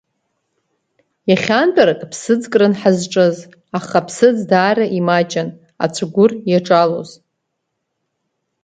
Иахьантәарак ԥсыӡкран ҳазҿыз, аха аԥсыӡ даара имаҷын аҵәгәыр иаҿалоз.